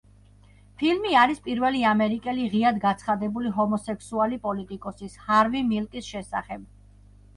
ფილმი არის პირველი ამერიკელი ღიად გაცხადებული ჰომოსექსუალი პოლიტიკოსის, ჰარვი მილკის შესახებ.